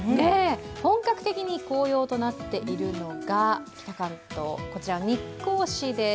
本格的に紅葉となっているのが北関東、こちら日光市です。